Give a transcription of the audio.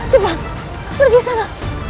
cepat pergi sana